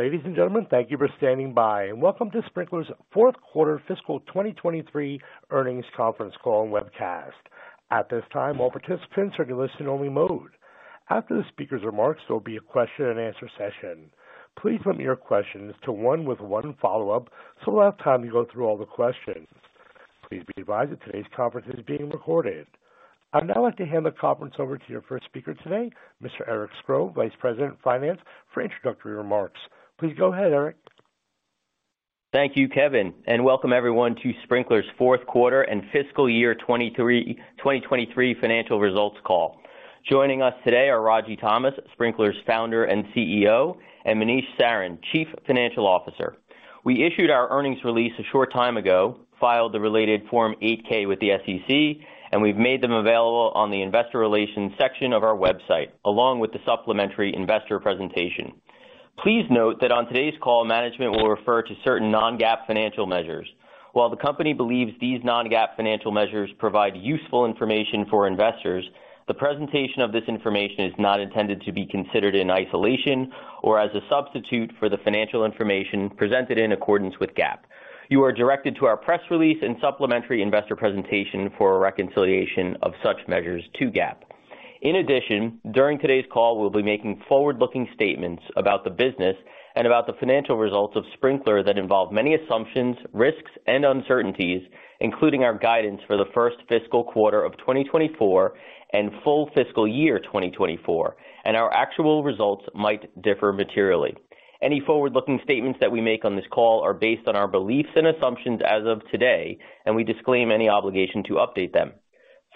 Ladies and gentlemen, thank you for standing by, and welcome to Sprinklr's Fourth Quarter Fiscal 2023 Earnings Conference Call and Webcast. At this time, all participants are in listen only mode. After the speaker's remarks, there'll be a question and answer session. Please limit your questions to one with one follow-up so we'll have time to go through all the questions. Please be advised that today's conference is being recorded. I'd now like to hand the conference over to your first speaker today, Mr. Eric Sgro, Vice President of Finance, for introductory remarks. Please go ahead, Eric. Thank you, Kevin, and welcome everyone to Sprinklr's Fourth Quarter and Fiscal Year 2023 Financial Results Call. Joining us today are Ragy Thomas, Sprinklr's Founder and CEO, and Manish Sarin, Chief Financial Officer. We issued our earnings release a short time ago, filed the related Form 8-K with the SEC, and we've made them available on the investor relations section of our website, along with the supplementary investor presentation. Please note that on today's call, management will refer to certain non-GAAP financial measures. While the company believes these non-GAAP financial measures provide useful information for investors, the presentation of this information is not intended to be considered in isolation or as a substitute for the financial information presented in accordance with GAAP. You are directed to our press release and supplementary investor presentation for a reconciliation of such measures to GAAP. In addition, during today's call, we'll be making forward-looking statements about the business and about the financial results of Sprinklr that involve many assumptions, risks and uncertainties, including our guidance for the first fiscal quarter of 2024 and full fiscal year 2024, and our actual results might differ materially. Any forward-looking statements that we make on this call are based on our beliefs and assumptions as of today, and we disclaim any obligation to update them.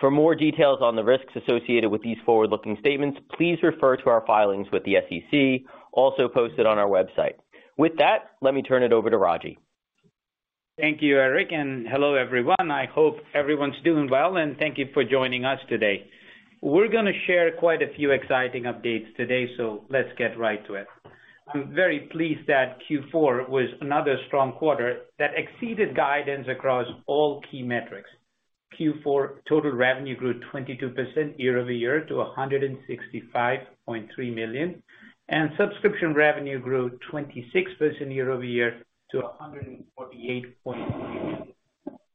For more details on the risks associated with these forward-looking statements, please refer to our filings with the SEC, also posted on our website. With that, let me turn it over to Ragy. Thank you, Eric. Hello everyone. I hope everyone's doing well. Thank you for joining us today. We're gonna share quite a few exciting updates today. Let's get right to it. I'm very pleased that Q4 was another strong quarter that exceeded guidance across all key metrics. Q4 total revenue grew 22% year-over-year to $165.3 million, and subscription revenue grew 26% year-over-year to $148.8 million.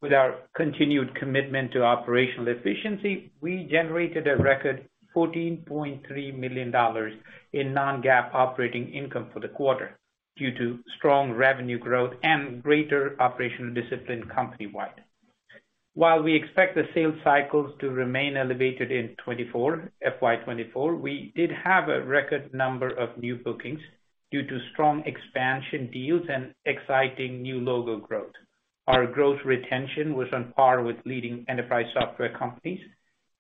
With our continued commitment to operational efficiency, we generated a record $14.3 million in non-GAAP operating income for the quarter due to strong revenue growth and greater operational discipline company-wide. While we expect the sales cycles to remain elevated in 2024, FY 2024, we did have a record number of new bookings due to strong expansion deals and exciting new logo growth. Our growth retention was on par with leading enterprise software companies,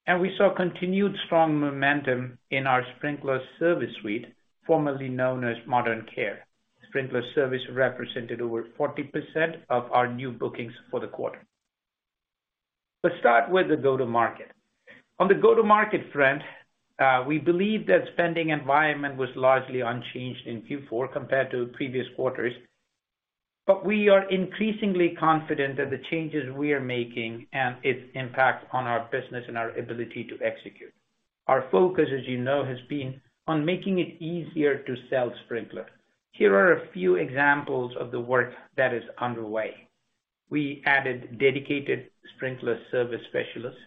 and we saw continued strong momentum in our Sprinklr Service suite, formerly known as Modern Care. Sprinklr Service represented over 40% of our new bookings for the quarter. Let's start with the go-to-market. On the go-to-market front, we believe that spending environment was largely unchanged in Q4 compared to previous quarters. We are increasingly confident that the changes we are making and its impact on our business and our ability to execute. Our focus, as you know, has been on making it easier to sell Sprinklr. Here are a few examples of the work that is underway. We added dedicated Sprinklr Service specialists.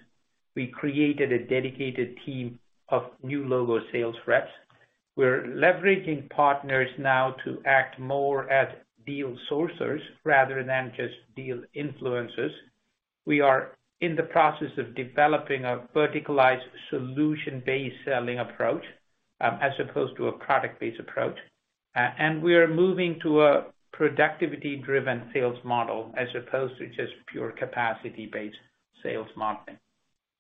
We created a dedicated team of new logo sales reps. We're leveraging partners now to act more as deal sourcers rather than just deal influencers. We are in the process of developing a verticalized solution-based selling approach, as opposed to a product-based approach. We are moving to a productivity-driven sales model as opposed to just pure capacity-based sales modeling.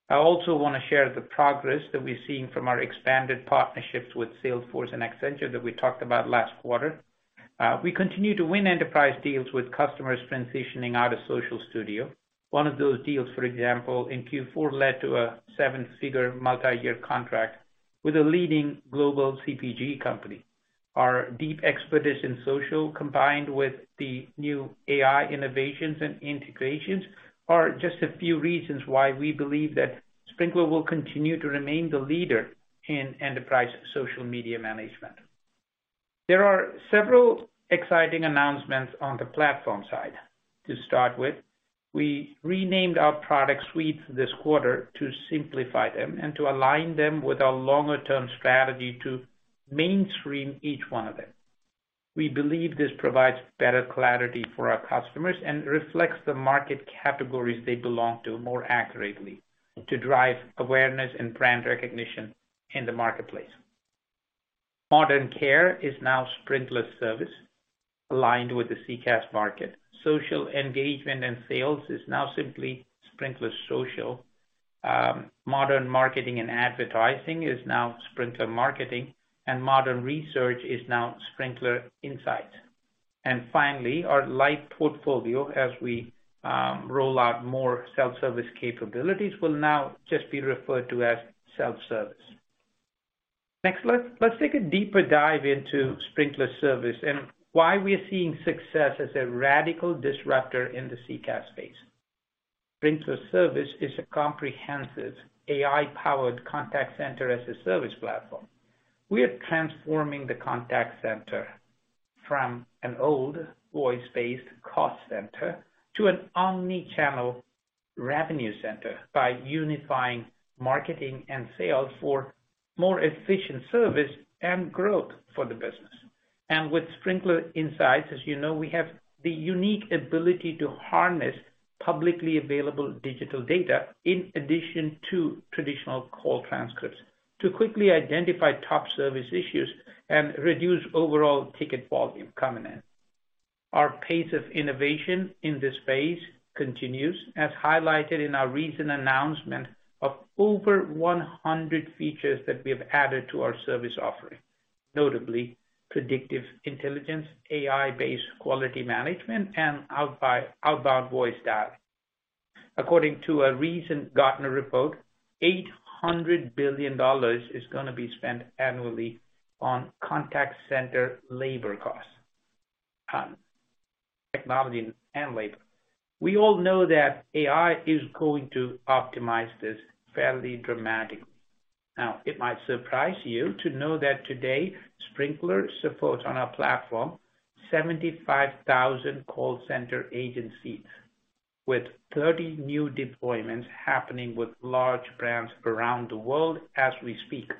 I also wanna share the progress that we're seeing from our expanded partnerships with Salesforce and Accenture that we talked about last quarter. We continue to win enterprise deals with customers transitioning out of Social Studio. One of those deals, for example, in Q4, led to a seven-figure multi-year contract with a leading global CPG company. Our deep expertise in social, combined with the new AI innovations and integrations, are just a few reasons why we believe that Sprinklr will continue to remain the leader in enterprise social media management. There are several exciting announcements on the platform side. To start with, we renamed our product suites this quarter to simplify them and to align them with our longer-term strategy to mainstream each one of them. We believe this provides better clarity for our customers and reflects the market categories they belong to more accurately to drive awareness and brand recognition in the marketplace. Modern Care is now Sprinklr Service, aligned with the CCaaS market. Social Engagement and Sales is now simply Sprinklr Social. Modern Marketing and Advertising is now Sprinklr Marketing, and Modern Research is now Sprinklr Insights. Finally, our light portfolio as we roll out more self-service capabilities will now just be referred to as self-service. Next, let's take a deeper dive into Sprinklr Service and why we are seeing success as a radical disruptor in the CCaaS space. Sprinklr Service is a comprehensive AI-powered contact center as a service platform. We are transforming the contact center from an old voice-based cost center to an omnichannel revenue center by unifying marketing and sales for more efficient service and growth for the business. With Sprinklr Insights, as you know, we have the unique ability to harness publicly available digital data in addition to traditional call transcripts to quickly identify top service issues and reduce overall ticket volume coming in. Our pace of innovation in this space continues, as highlighted in our recent announcement of over 100 features that we have added to our service offering. Notably, predictive intelligence, AI-based quality management, and outbound voice dial. According to a recent Gartner report, $800 billion is going to be spent annually on contact center labor costs. Technology and labor. We all know that AI is going to optimize this fairly dramatically. It might surprise you to know that today Sprinklr supports on our platform 75,000 call center agent seats with 30 new deployments happening with large brands around the world as we speak.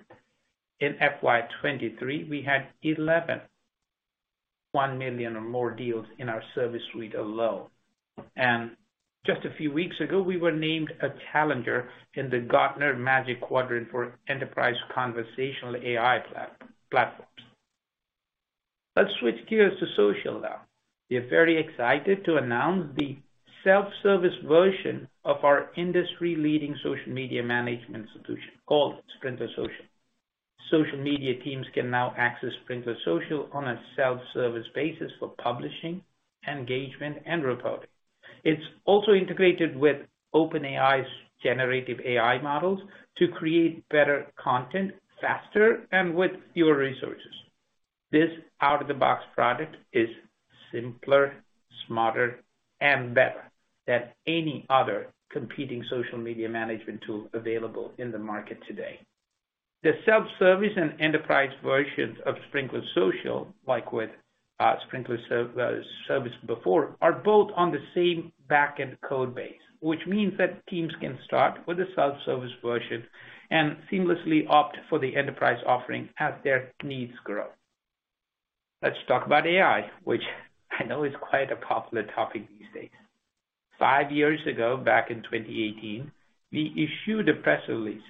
In FY 2023, we had 11 $1 million or more deals in our service suite alone. Just a few weeks ago, we were named a challenger in the Gartner Magic Quadrant for Enterprise Conversational AI Platforms. Let's switch gears to social now. We are very excited to announce the self-service version of our industry-leading social media management solution called Sprinklr Social. Social media teams can now access Sprinklr Social on a self-service basis for publishing, engagement, and reporting. It's also integrated with OpenAI's generative AI models to create better content faster and with fewer resources. This out-of-the-box product is simpler, smarter, and better than any other competing social media management tool available in the market today. The self-service and enterprise versions of Sprinklr Social, like with Sprinklr Service before, are both on the same backend code base, which means that teams can start with a self-service version and seamlessly opt for the enterprise offering as their needs grow. Let's talk about AI, which I know is quite a popular topic these days. Five years ago, back in 2018, we issued a press release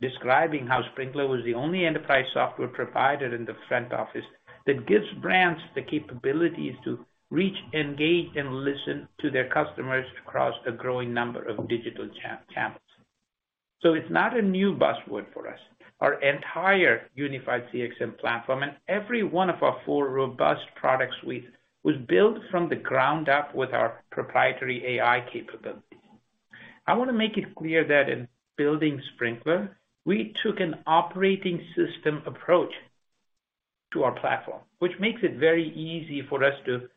describing how Sprinklr was the only enterprise software provider in the front office that gives brands the capabilities to reach, engage, and listen to their customers across a growing number of digital channels. It's not a new buzzword for us. Our entire Unified-CXM platform and every one of our four robust product suites was built from the ground up with our proprietary AI capabilities. I wanna make it clear that in building Sprinklr, we took an operating system approach to our platform, which makes it very easy for us to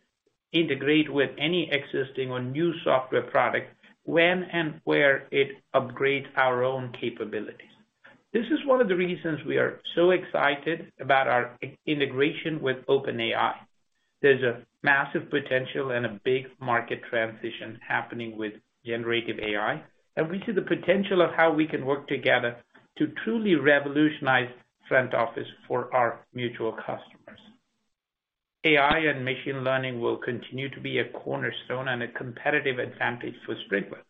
integrate with any existing or new software product when and where it upgrades our own capabilities. This is one of the reasons we are so excited about our integration with OpenAI. There's a massive potential and a big market transition happening with generative AI, and we see the potential of how we can work together to truly revolutionize front office for our mutual customers. AI and machine learning will continue to be a cornerstone and a competitive advantage for Sprinklr,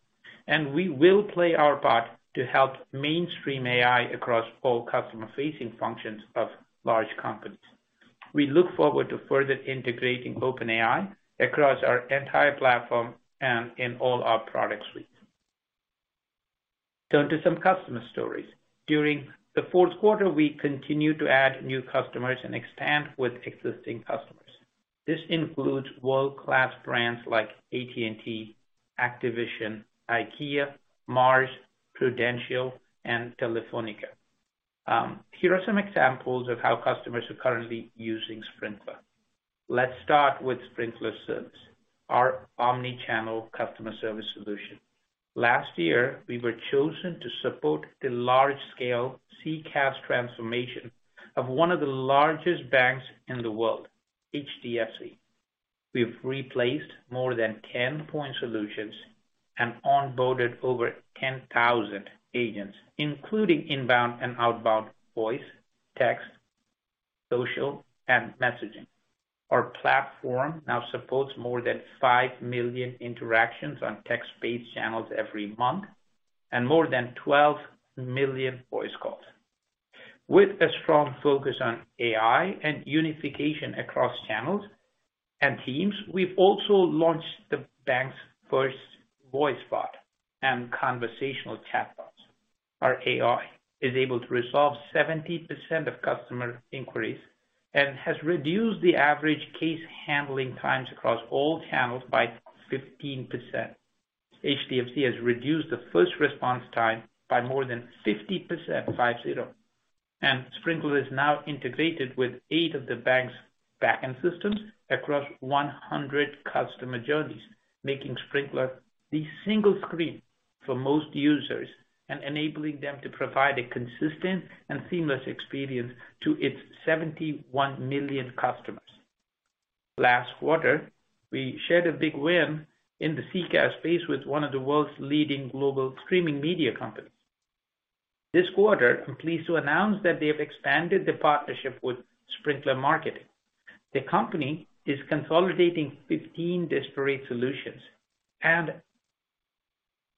and we will play our part to help mainstream AI across all customer-facing functions of large companies. We look forward to further integrating OpenAI across our entire platform and in all our product suites. Turn to some customer stories. During the fourth quarter, we continued to add new customers and expand with existing customers. This includes world-class brands like AT&T, Activision, IKEA, Mars, Prudential, and Telefónica. Here are some examples of how customers are currently using Sprinklr. Let's start with Sprinklr Service, our omnichannel customer service solution. Last year, we were chosen to support the large-scale CCaaS transformation of one of the largest banks in the world, HDFC. We've replaced more than 10 point solutions and onboarded over 10,000 agents, including inbound and outbound voice, text, social, and messaging. Our platform now supports more than 5 million interactions on text-based channels every month and more than 12 million voice calls. With a strong focus on AI and unification across channels and teams, we've also launched the bank's first voice bot and conversational chatbots. Our AI is able to resolve 70% of customer inquiries and has reduced the average case handling times across all channels by 15%. HDFC has reduced the first response time by more than 50%, 5-0. Sprinklr is now integrated with eight of the bank's backend systems across 100 customer journeys, making Sprinklr the single screen for most users and enabling them to provide a consistent and seamless experience to its 71 million customers. Last quarter, we shared a big win in the CCaaS space with one of the world's leading global streaming media companies. This quarter, I'm pleased to announce that they have expanded the partnership with Sprinklr Marketing. The company is consolidating 15 disparate solutions and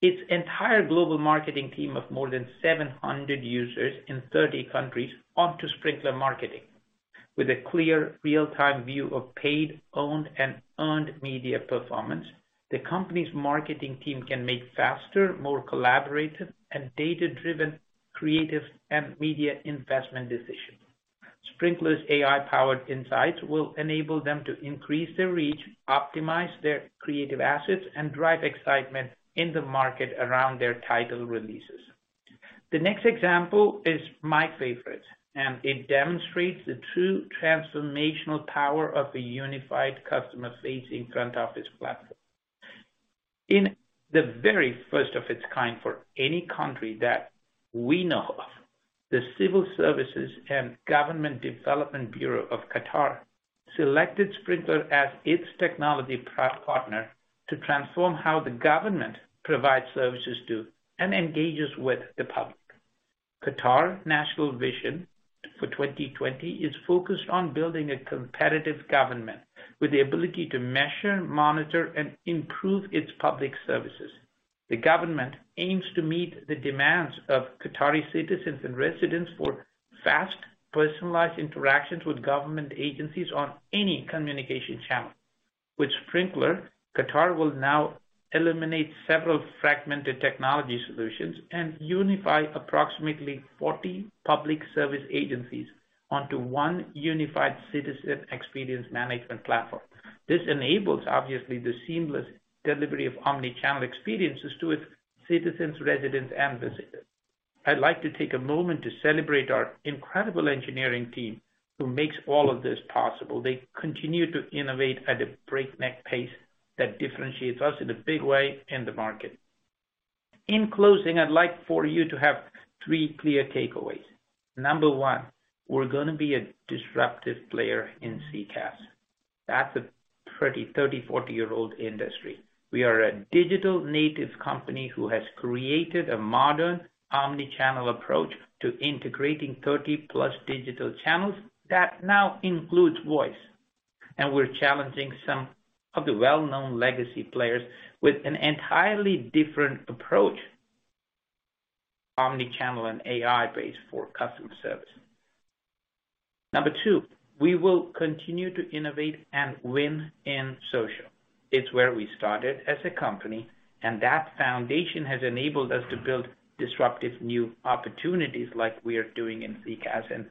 its entire global marketing team of more than 700 users in 30 countries onto Sprinklr Marketing. With a clear real-time view of paid, owned, and earned media performance, the company's marketing team can make faster, more collaborative, and data-driven creative and media investment decisions. Sprinklr's AI-powered insights will enable them to increase their reach, optimize their creative assets, and drive excitement in the market around their title releases. The next example is my favorite, it demonstrates the true transformational power of a unified customer-facing front office platform. In the very first of its kind for any country that we know of, the Civil Service and Governmental Development Bureau of Qatar selected Sprinklr as its technology part-partner to transform how the government provides services to and engages with the public. Qatar National Vision for 2020 is focused on building a competitive government with the ability to measure, monitor, and improve its public services. The government aims to meet the demands of Qatari citizens and residents for fast, personalized interactions with government agencies on any communication channel. With Sprinklr, Qatar will now eliminate several fragmented technology solutions and unify approximately 40 public service agencies onto one unified citizen experience management platform. This enables obviously the seamless delivery of omnichannel experiences to its citizens, residents, and visitors. I'd like to take a moment to celebrate our incredible engineering team who makes all of this possible. They continue to innovate at a breakneck pace that differentiates us in a big way in the market. In closing, I'd like for you to have three clear takeaways. Number one, we're gonna be a disruptive player in CCaaS. That's a pretty 30, 40-year-old industry. We are a digital native company who has created a modern omnichannel approach to integrating 30+ digital channels that now includes voice. We're challenging some of the well-known legacy players with an entirely different approach, omnichannel and AI-based for customer service. Number two, we will continue to innovate and win in social. It's where we started as a company, and that foundation has enabled us to build disruptive new opportunities like we are doing in CCaaS.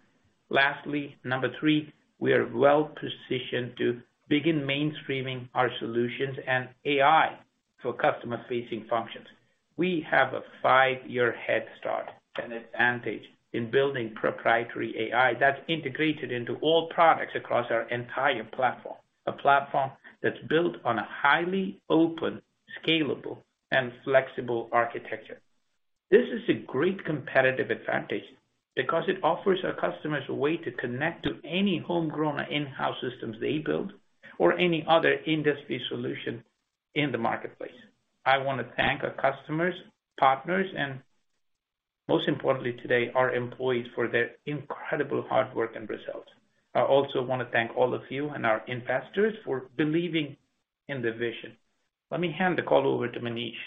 Lastly, number three, we are well-positioned to begin mainstreaming our solutions and AI for customer-facing functions. We have a five-year head start and advantage in building proprietary AI that's integrated into all products across our entire platform. A platform that's built on a highly open, scalable, and flexible architecture. This is a great competitive advantage because it offers our customers a way to connect to any homegrown or in house systems they build or any other industry solution in the marketplace. I wanna thank our customers, partners, and most importantly today, our employees for their incredible hard work and results. I also wanna thank all of you and our investors for believing in the vision. Let me hand the call over to Manish.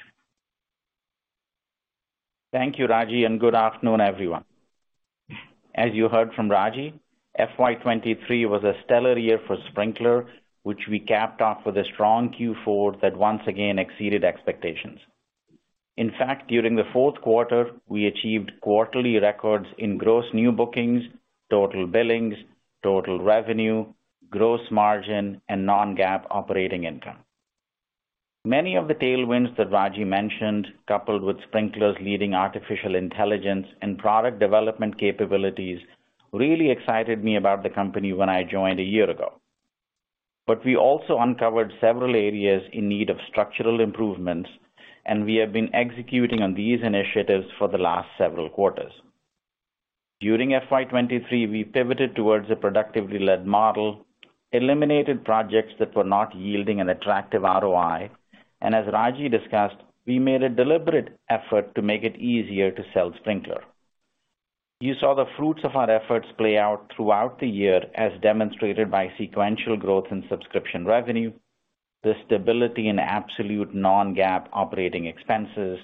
Thank you, Ragy. Good afternoon, everyone. As you heard from Ragy, FY 2023 was a stellar year for Sprinklr, which we capped off with a strong Q4 that once again exceeded expectations. In fact, during the fourth quarter, we achieved quarterly records in gross new bookings, total billings, total revenue, gross margin, and non-GAAP operating income. Many of the tailwinds that Ragy mentioned, coupled with Sprinklr's leading artificial intelligence and product development capabilities, really excited me about the company when I joined a year ago. We also uncovered several areas in need of structural improvements, and we have been executing on these initiatives for the last several quarters. During FY 2023, we pivoted towards a productivity-led model, eliminated projects that were not yielding an attractive ROI. As Ragy discussed, we made a deliberate effort to make it easier to sell Sprinklr. You saw the fruits of our efforts play out throughout the year as demonstrated by sequential growth in subscription revenue, the stability in absolute non-GAAP operating expenses,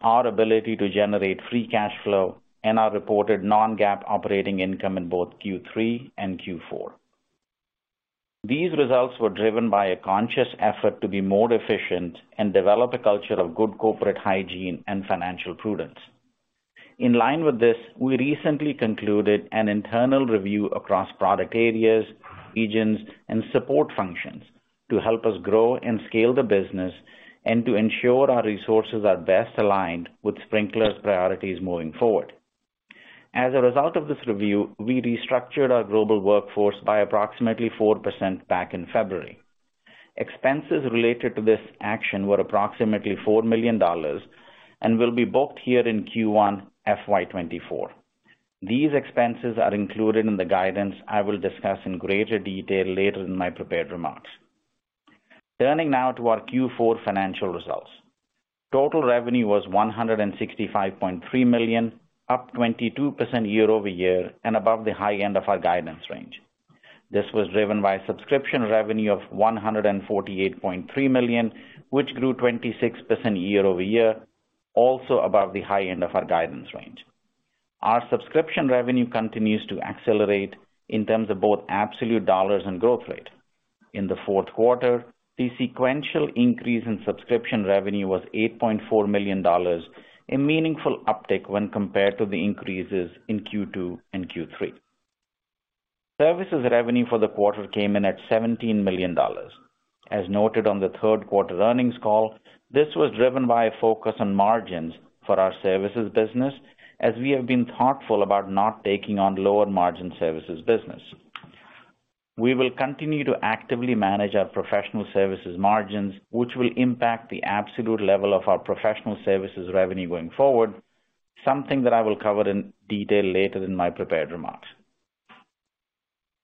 our ability to generate free cash flow, and our reported non-GAAP operating income in both Q3 and Q4. These results were driven by a conscious effort to be more efficient and develop a culture of good corporate hygiene and financial prudence. In line with this, we recently concluded an internal review across product areas, regions, and support functions. To help us grow and scale the business and to ensure our resources are best aligned with Sprinklr's priorities moving forward. As a result of this review, we restructured our global workforce by approximately 4% back in February. Expenses related to this action were approximately $4 million and will be booked here in Q1 FY 2024. These expenses are included in the guidance I will discuss in greater detail later in my prepared remarks. Turning now to our Q4 financial results. Total revenue was $165.3 million, up 22% year-over-year and above the high end of our guidance range. This was driven by subscription revenue of $148.3 million, which grew 26% year-over-year, also above the high end of our guidance range. Our subscription revenue continues to accelerate in terms of both absolute dollars and growth rate. In the fourth quarter, the sequential increase in subscription revenue was $8.4 million, a meaningful uptick when compared to the increases in Q2 and Q3. Services revenue for the quarter came in at $17 million. As noted on the third quarter earnings call, this was driven by a focus on margins for our services business, as we have been thoughtful about not taking on lower margin services business. We will continue to actively manage our professional services margins, which will impact the absolute level of our professional services revenue going forward, something that I will cover in detail later in my prepared remarks.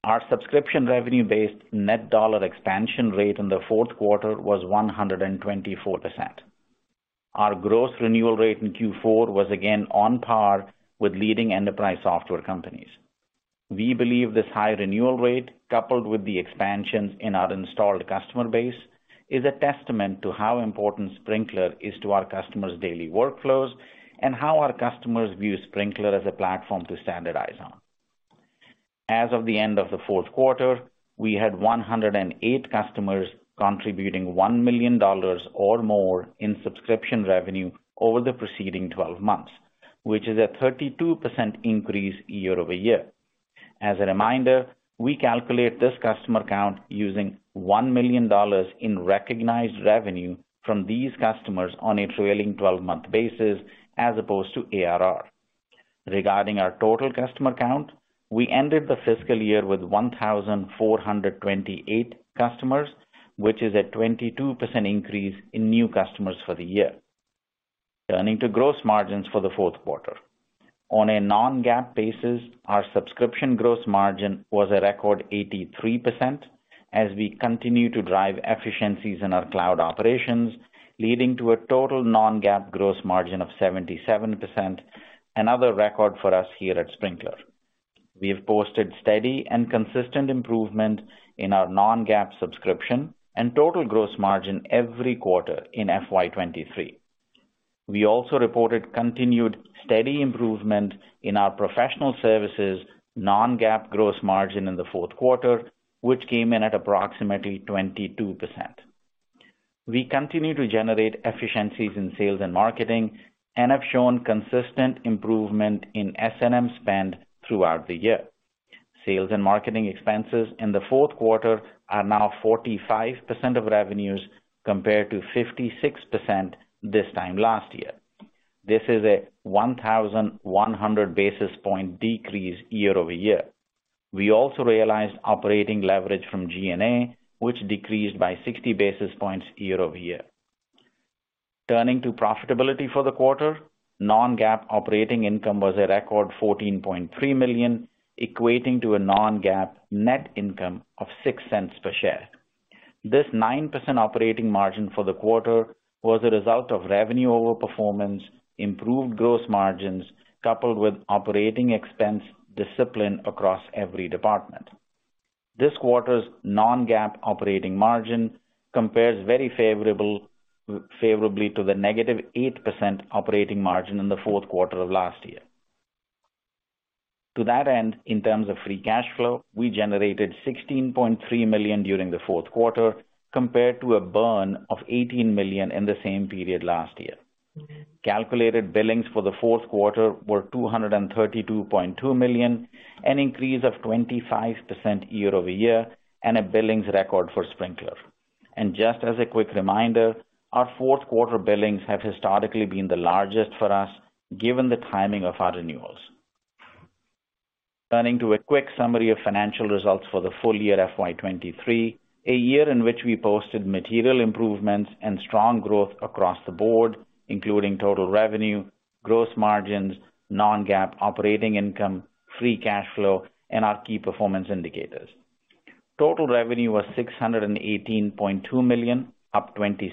Our subscription revenue-based net dollar expansion rate in the fourth quarter was 124%. Our gross renewal rate in Q4 was again on par with leading enterprise software companies. We believe this high renewal rate, coupled with the expansions in our installed customer base, is a testament to how important Sprinklr is to our customers' daily workflows and how our customers view Sprinklr as a platform to standardize on. As of the end of the fourth quarter, we had 108 customers contributing $1 million or more in subscription revenue over the preceding 12 months, which is a 32% increase year-over-year. As a reminder, we calculate this customer count using $1 million in recognized revenue from these customers on a trailing 12-month basis as opposed to ARR. Regarding our total customer count, we ended the fiscal year with 1,428 customers, which is a 22% increase in new customers for the year. Turning to gross margins for the fourth quarter. On a non-GAAP basis, our subscription gross margin was a record 83% as we continue to drive efficiencies in our cloud operations, leading to a total non-GAAP gross margin of 77%, another record for us here at Sprinklr. We have posted steady and consistent improvement in our non-GAAP subscription and total gross margin every quarter in FY 2023. We also reported continued steady improvement in our professional services non-GAAP gross margin in the fourth quarter, which came in at approximately 22%. We continue to generate efficiencies in sales and marketing and have shown consistent improvement in S&M spend throughout the year. Sales and marketing expenses in the fourth quarter are now 45% of revenues compared to 56% this time last year. This is a 1,100 basis point decrease year-over-year. We also realized operating leverage from G&A, which decreased by 60 basis points year-over-year. Turning to profitability for the quarter, non-GAAP operating income was a record $14.3 million, equating to a non-GAAP net income of $0.06 per share. This 9% operating margin for the quarter was a result of revenue overperformance, improved gross margins, coupled with operating expense discipline across every department. This quarter's non-GAAP operating margin compares very favorably to the negative 8% operating margin in the fourth quarter of last year. In terms of free cash flow, we generated $16.3 million during the fourth quarter compared to a burn of $18 million in the same period last year. Calculated billings for the fourth quarter were $232.2 million, an increase of 25% year-over-year and a billings record for Sprinklr. Just as a quick reminder, our fourth quarter billings have historically been the largest for us given the timing of our renewals. Turning to a quick summary of financial results for the full year FY 2023, a year in which we posted material improvements and strong growth across the board, including total revenue, gross margins, non-GAAP operating income, free cash flow, and our key performance indicators. Total revenue was $618.2 million, up 26%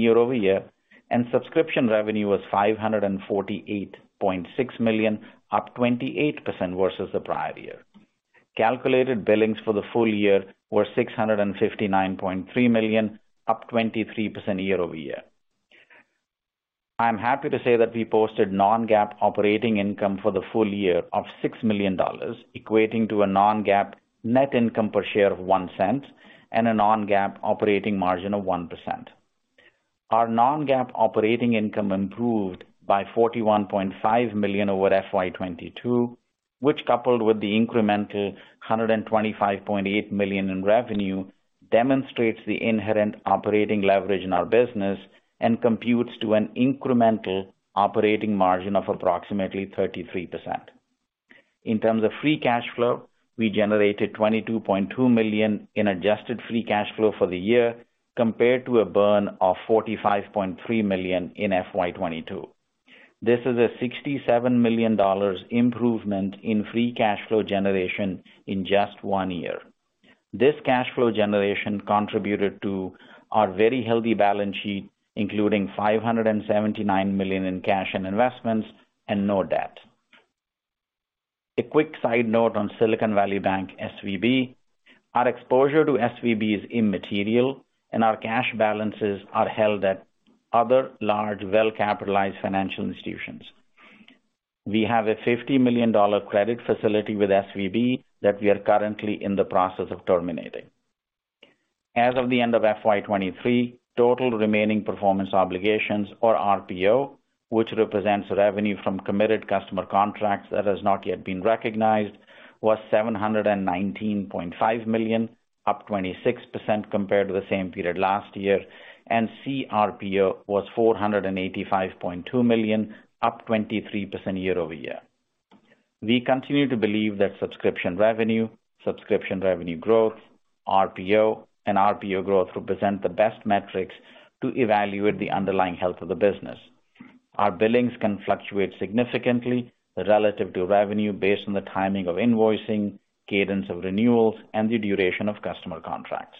year-over-year, and subscription revenue was $548.6 million, up 28% versus the prior year. Calculated billings for the full year were $659.3 million, up 23% year-over-year. I'm happy to say that we posted non-GAAP operating income for the full year of $6 million, equating to a non-GAAP net income per share of $0.01 and a non-GAAP operating margin of 1%. Our non-GAAP operating income improved by $41.5 million over FY 2022, which coupled with the incremental $125.8 million in revenue, demonstrates the inherent operating leverage in our business and computes to an incremental operating margin of approximately 33%. In terms of free cash flow, we generated $22.2 million in adjusted free cash flow for the year, compared to a burn of $45.3 million in FY 2022. This is a $67 million improvement in free cash flow generation in just one year. This cash flow generation contributed to our very healthy balance sheet, including $579 million in cash and investments and no debt. A quick side note on Silicon Valley Bank, SVB. Our exposure to SVB is immaterial, and our cash balances are held at other large, well-capitalized financial institutions. We have a $50 million credit facility with SVB that we are currently in the process of terminating. As of the end of FY 2023, total Remaining Performance Obligations, or RPO, which represents revenue from committed customer contracts that has not yet been recognized, was $719.5 million, up 26% compared to the same period last year, and CRPO was $485.2 million, up 23% year-over-year. We continue to believe that subscription revenue, subscription revenue growth, RPO, and RPO growth represent the best metrics to evaluate the underlying health of the business. Our billings can fluctuate significantly relative to revenue based on the timing of invoicing, cadence of renewals, and the duration of customer contracts.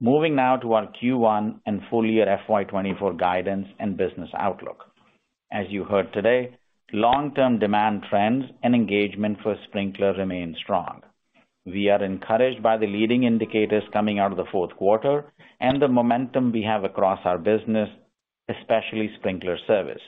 Moving now to our Q1 and full year FY 2024 guidance and business outlook. As you heard today, long-term demand trends and engagement for Sprinklr remain strong. We are encouraged by the leading indicators coming out of the fourth quarter and the momentum we have across our business, especially Sprinklr Service.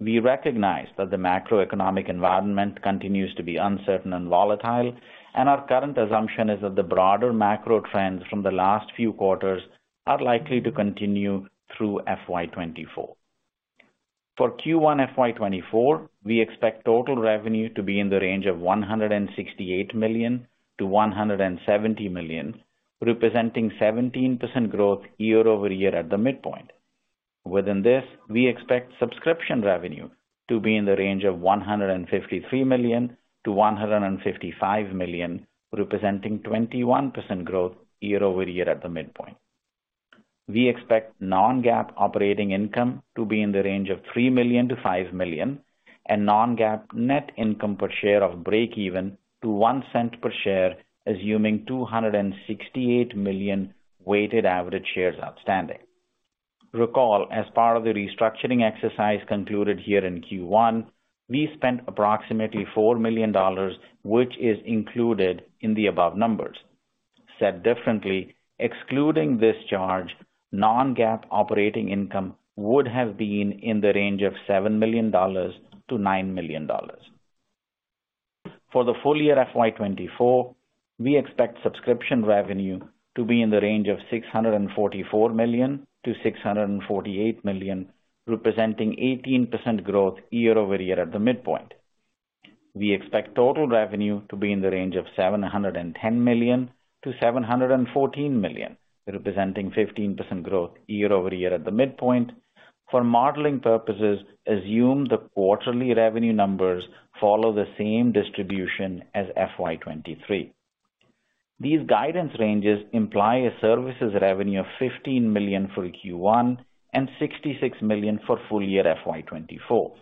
We recognize that the macroeconomic environment continues to be uncertain and volatile, and our current assumption is that the broader macro trends from the last few quarters are likely to continue through FY 2024. For Q1 FY 2024, we expect total revenue to be in the range of $168 million-$170 million, representing 17% growth year-over-year at the midpoint. Within this, we expect subscription revenue to be in the range of $153 million-$155 million, representing 21% growth year-over-year at the midpoint. We expect non-GAAP operating income to be in the range of $3 million-$5 million and non-GAAP net income per share of break even to $0.01 per share, assuming 268 million weighted-average shares outstanding. Recall, as part of the restructuring exercise concluded here in Q1, we spent approximately $4 million, which is included in the above numbers. Said differently, excluding this charge, non-GAAP operating income would have been in the range of $7 million-$9 million. For the full year FY 2024, we expect subscription revenue to be in the range of $644 million-$648 million, representing 18% growth year-over-year at the midpoint. We expect total revenue to be in the range of $710 million-$714 million, representing 15% growth year-over-year at the midpoint. For modeling purposes, assume the quarterly revenue numbers follow the same distribution as FY 2023. These guidance ranges imply a services revenue of $15 million for Q1 and $66 million for full year FY 2024.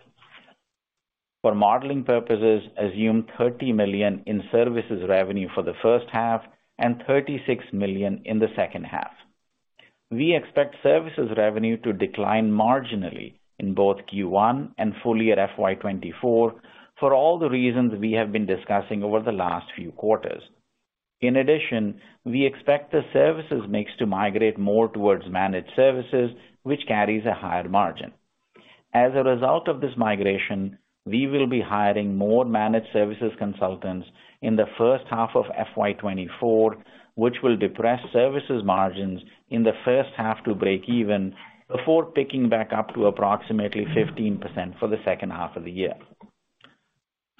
For modeling purposes, assume $30 million in services revenue for the first half and $36 million in the second half. We expect services revenue to decline marginally in both Q1 and full year FY 2024 for all the reasons we have been discussing over the last few quarters. We expect the services mix to migrate more towards managed services, which carries a higher margin. As a result of this migration, we will be hiring more managed services consultants in the first half of FY 2024, which will depress services margins in the first half to break even before picking back up to approximately 15% for the second half of the year.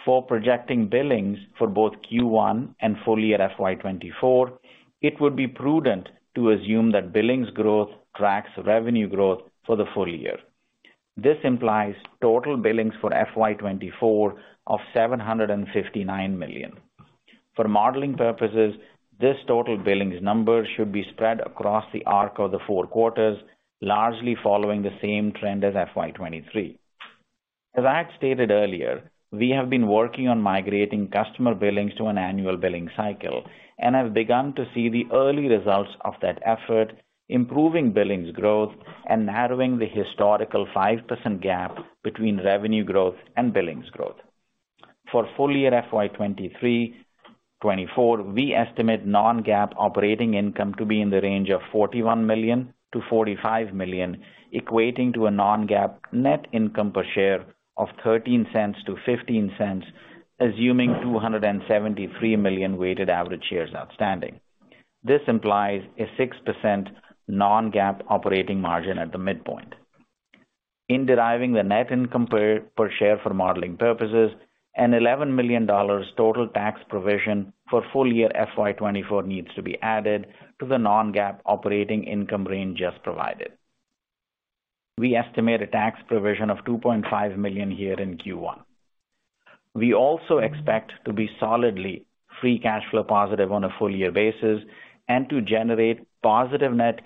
Projecting billings for both Q1 and full year FY 2024, it would be prudent to assume that billings growth tracks revenue growth for the full year. This implies total billings for FY 2024 of $759 million. For modeling purposes, this total billings number should be spread across the arc of the four quarters, largely following the same trend as FY 2023. As I had stated earlier, we have been working on migrating customer billings to an annual billing cycle and have begun to see the early results of that effort, improving billings growth and narrowing the historical 5% gap between revenue growth and billings growth. For full year FY 2023, 2024, we estimate non-GAAP operating income to be in the range of $41 million-$45 million. Equating to a non-GAAP net income per share of $0.13-$0.15, assuming 273 million weighted-average shares outstanding. This implies a 6% non-GAAP operating margin at the midpoint. In deriving the net income per share for modeling purposes, an $11 million total tax provision for full year FY 2024 needs to be added to the non-GAAP operating income range just provided. We estimate a tax provision of $2.5 million here in Q1. We also expect to be solidly free cash flow positive on a full year basis and to generate positive net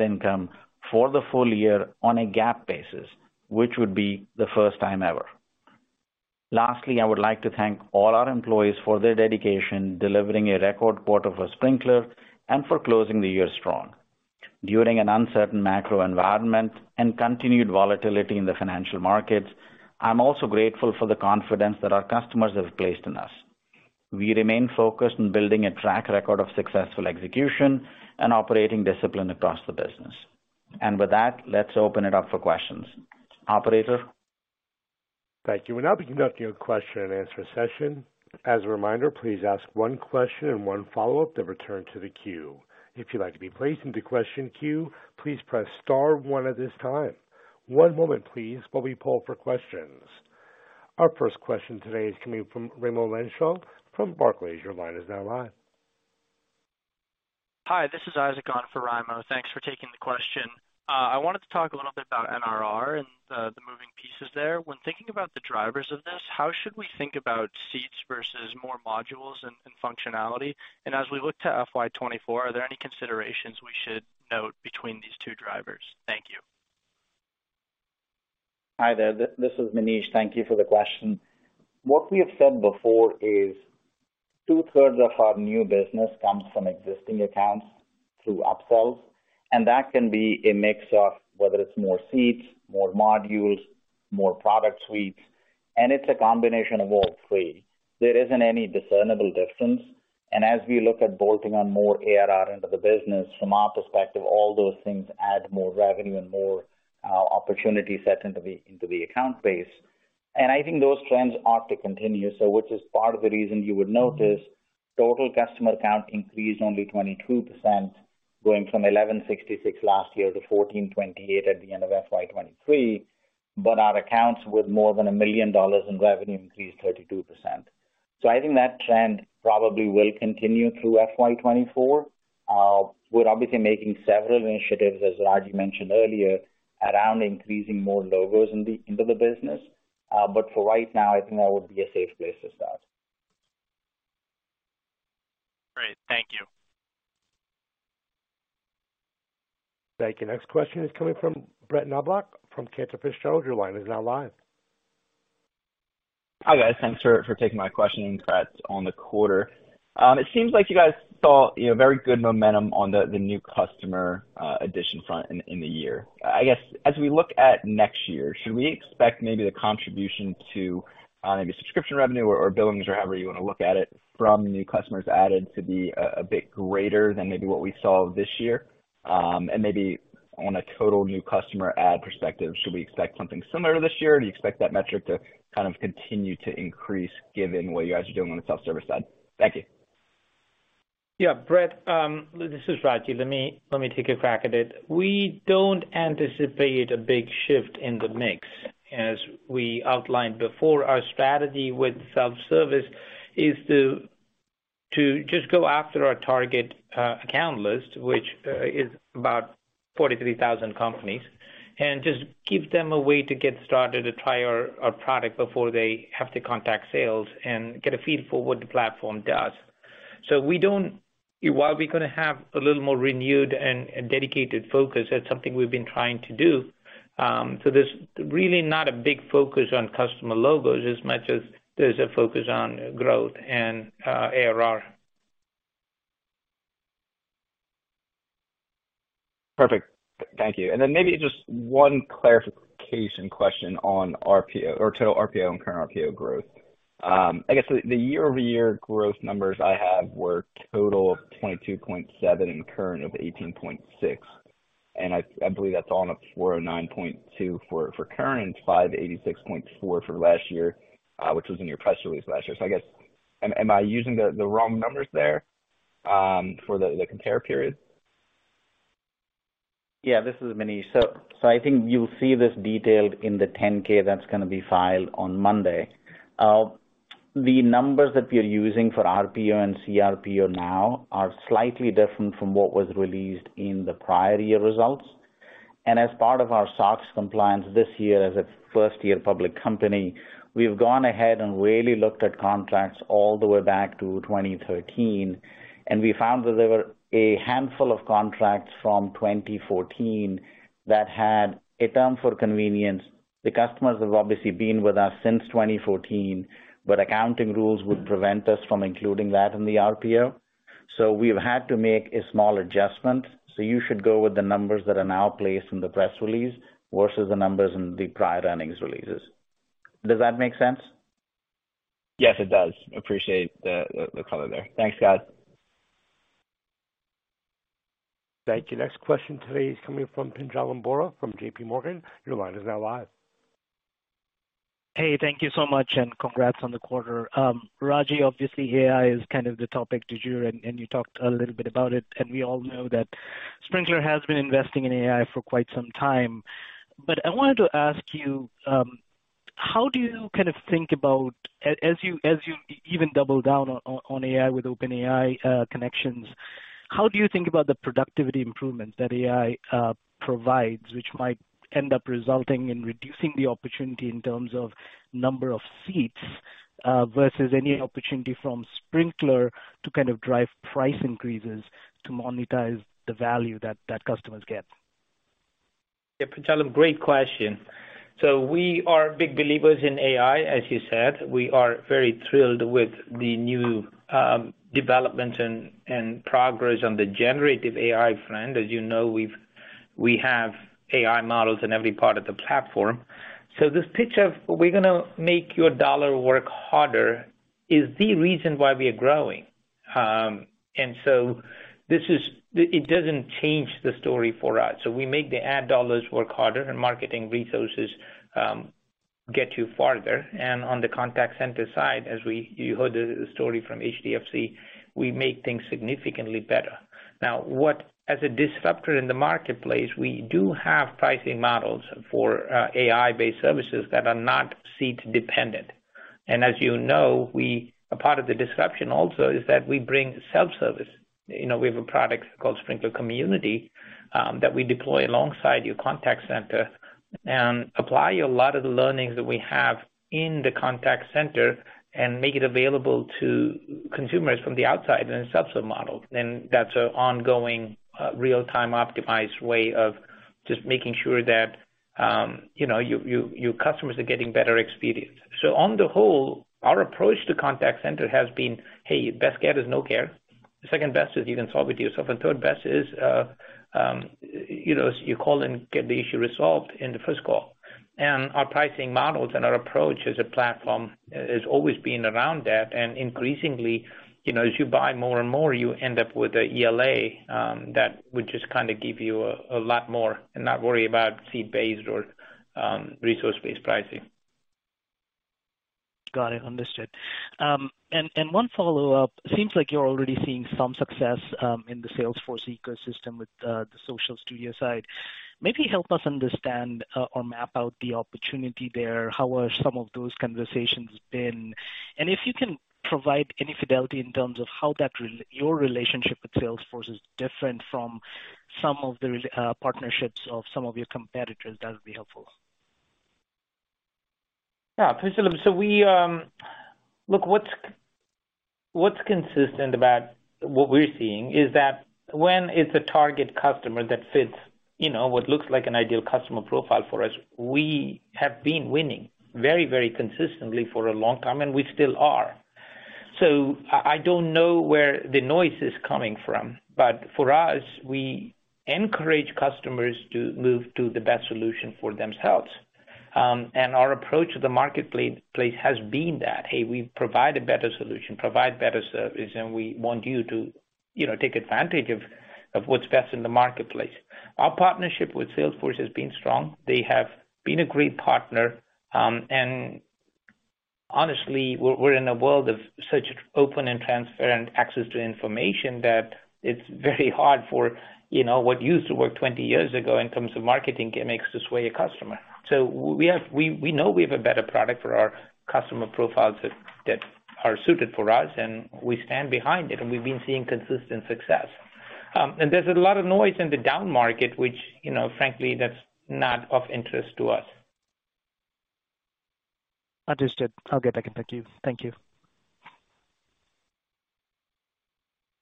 income for the full year on a GAAP basis, which would be the first time ever. Lastly, I would like to thank all our employees for their dedication, delivering a record quarter for Sprinklr and for closing the year strong. During an uncertain macro environment and continued volatility in the financial markets, I'm also grateful for the confidence that our customers have placed in us. We remain focused on building a track record of successful execution and operating discipline across the business. With that, let's open it up for questions. Operator? Thank you. We're now conducting a question and answer session. As a reminder, please ask one question and one follow-up to return to the queue. If you'd like to be placed into question queue, please press star one at this time. One moment please while we poll for questions. Our first question today is coming from Raimo Lenschow from Barclays. Your line is now live. Hi, this is Isaac on for Raimo. Thanks for taking the question. I wanted to talk a little bit about NRR and the moving pieces there. When thinking about the drivers of this, how should we think about seats versus more modules and functionality? As we look to FY 2024, are there any considerations we should note between these two drivers? Thank you. Hi there. This is Manish. Thank you for the question. What we have said before is two-thirds of our new business comes from existing accounts through upsells, and that can be a mix of whether it's more seats, more modules, more product suites, and it's a combination of all three. There isn't any discernible difference. As we look at bolting on more ARR into the business, from our perspective, all those things add more revenue and more opportunities set into the account base. I think those trends are to continue, which is part of the reason you would notice total customer count increased only 22%, going from 1,166 last year to 1,428 at the end of FY 23, but our accounts with more than $1 million in revenue increased 32%. I think that trend probably will continue through FY 2024. We're obviously making several initiatives, as Ragy mentioned earlier, around increasing more logos into the business. For right now, I think that would be a safe place to start. Great. Thank you. Thank you. Next question is coming from Brett Knoblauch from Cantor Fitzgerald. Your line is now live. Hi, guys. Thanks for taking my question. Brett on the quarter. It seems like you guys saw, you know, very good momentum on the new customer addition front in the year. I guess, as we look at next year, should we expect maybe the contribution to maybe subscription revenue or billings or however you wanna look at it from new customers added to be a bit greater than maybe what we saw this year? Maybe on a total new customer add perspective, should we expect something similar this year? Do you expect that metric to kind of continue to increase given what you guys are doing on the self-service side? Thank you. Yeah. Brett, this is Ragy. Let me take a crack at it. We don't anticipate a big shift in the mix. As we outlined before, our strategy with self-service is to just go after our target account list, which is about 43,000 companies, and just give them a way to get started to try our product before they have to contact sales and get a feel for what the platform does. While we're gonna have a little more renewed and dedicated focus, that's something we've been trying to do. There's really not a big focus on customer logos as much as there's a focus on growth and ARR. Perfect. Thank you. Maybe just one clarification question on RPO or total RPO and current RPO growth. I guess the year-over-year growth numbers I have were total of 22.7% and current of 18.6%. I believe that's on a $409.2 million for current, $586.4 million for last year, which was in your press release last year. I guess, am I using the wrong numbers there for the compare period? Yeah, this is Manish. I think you'll see this detailed in the 10-K that's gonna be filed on Monday. The numbers that we're using for RPO and CRPO now are slightly different from what was released in the prior year results. As part of our SOX compliance this year as a first-year public company, we've gone ahead and really looked at contracts all the way back to 2013, and we found that there were a handful of contracts from 2014 that had a term for convenience. The customers have obviously been with us since 2014, but accounting rules would prevent us from including that in the RPO. We've had to make a small adjustment. You should go with the numbers that are now placed in the press release versus the numbers in the prior earnings releases. Does that make sense? Yes, it does. Appreciate the color there. Thanks, guys. Thank you. Next question today is coming from Pinjalim Bora from JPMorgan. Your line is now live. Hey, thank you so much, and congrats on the quarter. Ragy, obviously AI is kind of the topic du jour, and you talked a little bit about it. We all know that Sprinklr has been investing in AI for quite some time. I wanted to ask you, how do you kind of think about as you even double down on AI with OpenAI connections, how do you think about the productivity improvements that AI provides, which might end up resulting in reducing the opportunity in terms of number of seats, versus any opportunity from Sprinklr to kind of drive price increases to monetize the value that customers get? Yeah, Pinjalim, great question. We are big believers in AI, as you said. We are very thrilled with the new development and progress on the generative AI front. As you know, we have AI models in every part of the platform. This pitch of we're gonna make your dollar work harder is the reason why we are growing. It doesn't change the story for us. We make the ad dollars work harder, and marketing resources get you farther. On the contact center side, as you heard the story from HDFC, we make things significantly better. Now, as a disruptor in the marketplace, we do have pricing models for AI-based services that are not seat-dependent. As you know, a part of the disruption also is that we bring self-service. You know, we have a product called Sprinklr Community, that we deploy alongside your contact center and apply a lot of the learnings that we have in the contact center and make it available to consumers from the outside in a subset model. That's an ongoing, real-time optimized way of just making sure that, you know, your, your customers are getting better experience. On the whole, our approach to contact center has been, hey, best care is no care. The second best is you can solve it yourself, and third best is, you know, you call in, get the issue resolved in the first call. Our pricing models and our approach as a platform has always been around that, and increasingly, you know, as you buy more and more, you end up with an ELA, that would just kinda give you a lot more and not worry about seat-based or resource-based pricing. Got it, understood. One follow-up. Seems like you're already seeing some success in the Salesforce ecosystem with the Social Studio side. Maybe help us understand or map out the opportunity there. How are some of those conversations been? If you can provide any fidelity in terms of how that your relationship with Salesforce is different from some of the partnerships of some of your competitors, that would be helpful. Yeah. Pinjalim, we. Look, what's consistent about what we're seeing, is that when it's a target customer that fits, you know, what looks like an ideal customer profile for us, we have been winning very, very consistently for a long time, and we still are. I don't know where the noise is coming from, but for us, we encourage customers to move to the best solution for themselves. Our approach to the marketplace has been that, "Hey, we provide a better solution, provide better service, and we want you to, you know, take advantage of what's best in the marketplace." Our partnership with Salesforce has been strong. They have been a great partner. Honestly, we're in a world of such open and transparent access to information that it's very hard for, you know, what used to work 20 years ago in terms of marketing gimmicks to sway a customer. We know we have a better product for our customer profiles that are suited for us, and we stand behind it, and we've been seeing consistent success. There's a lot of noise in the down market which, you know, frankly, that's not of interest to us. Understood. I'll get back in touch with you. Thank you.